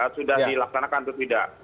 sudah dilaksanakan atau tidak